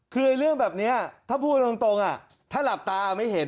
คือเรื่องแบบนี้ถ้าพูดตรงถ้าหลับตาไม่เห็น